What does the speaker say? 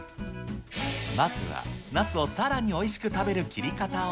まずは、ナスをさらにおいしく食べる切り方を。